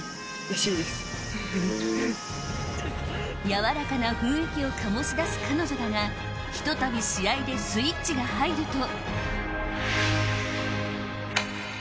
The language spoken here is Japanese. やわらかな雰囲気を醸し出す彼女だがひとたび試合でスイッチが入ると。